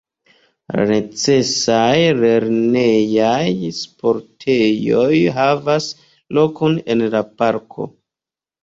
La necesaj lernejaj sportejoj havas lokon en la parko.